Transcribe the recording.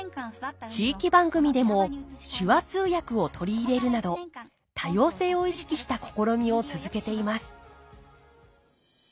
地域番組でも手話通訳を取り入れるなど多様性を意識した試みを続けています